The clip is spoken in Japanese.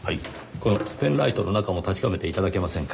このペンライトの中も確かめて頂けませんか？